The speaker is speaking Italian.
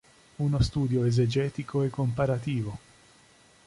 Uno studio esegetico e comparativo".